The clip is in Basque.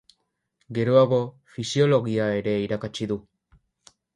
Geroago Fisiologia ere irakatsi du.